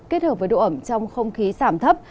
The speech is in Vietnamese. kết hợp với độ ẩm trong không khí giảm thấp